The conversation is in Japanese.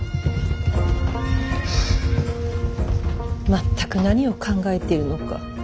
全く何を考えているのか。